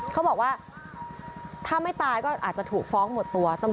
เขาบอกว่าถ้าไม่ตายก็อาจจะถูกฟ้องหมดตัว